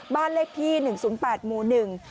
บ้านเลขที่หนึ่งศูนย์แปดหมู่หนึ่ง